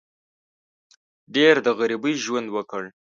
ډېر د غریبۍ ژوند وکړ.